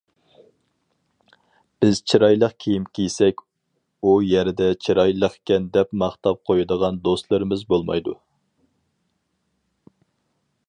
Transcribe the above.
بىز چىرايلىق كىيىم كىيسەك، ئۇ يەردە چىرايلىقكەن دەپ ماختاپ قۇيىدىغان دوستلىرىمىز بولمايدۇ.